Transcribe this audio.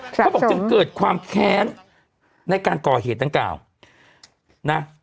เขาบอกจึงเกิดความแค้นในการก่อเหตุดังกล่าวนะ